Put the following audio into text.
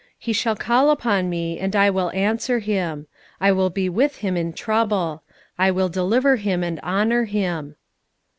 "He shall call upon Me, and I will answer him; I will be with him in trouble: I will deliver him, and honour him."